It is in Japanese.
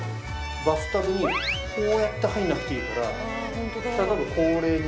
バスタブにこうやって入らなくていいから。